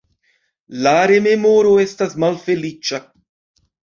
La remoro estas malfeliĉa.